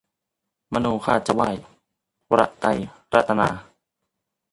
นะโมข้าจะไหว้ วระไตรระตะนา